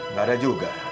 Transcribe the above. nggak ada juga